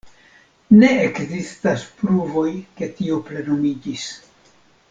Ne ekzistas pruvoj, ke tio plenumiĝis.